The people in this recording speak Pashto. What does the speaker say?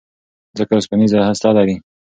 ځمکه اوسپنيزه هسته لري.